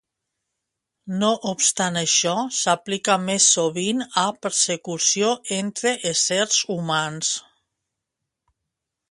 No obstant això s'aplica més sovint a persecució entre éssers humans.